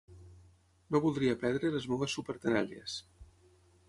No voldria perdre les meves súpertenalles.